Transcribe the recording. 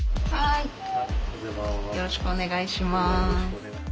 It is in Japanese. よろしくお願いします。